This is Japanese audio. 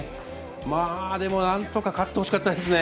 まあ、でもなんとか勝ってほしかったですね。